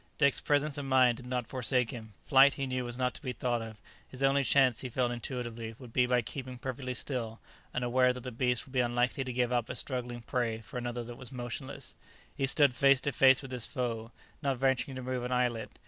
Dick's presence of mind did not forsake him; flight he knew was not to be thought of; his only chance he felt intuitively would be by keeping perfectly still; and aware that the beast would be unlikely to give up a struggling prey for another that was motionless, he stood face to face with his foe, not venturing to move an eyelid.